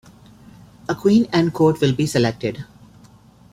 A queen and court will be selected.